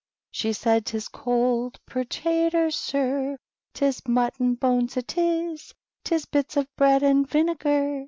She said J *' Tis cold pertaters, sir, 'Tis mutton bones, it is, ^Tis bits of bread an! winegar.